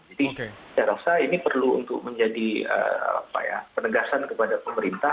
jadi saya rasa ini perlu untuk menjadi penegasan kepada pemerintah